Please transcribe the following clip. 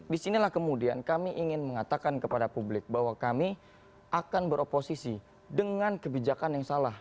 disinilah kemudian kami ingin mengatakan kepada publik bahwa kami akan beroposisi dengan kebijakan yang salah